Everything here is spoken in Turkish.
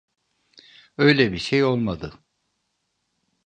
Öyle bir şey olmadı.